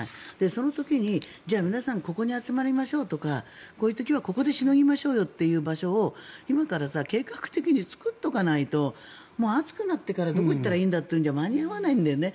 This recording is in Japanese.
その時に、じゃあ皆さんここに集まりましょうとかこういう時はここでしのぎましょうという場所を今から計画的に作っておかないともう、暑くなってからどこ行ったらいいんだっていうのじゃ間に合わないのでね。